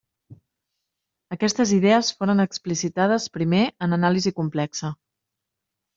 Aquestes idees foren explicitades primer en anàlisi complexa.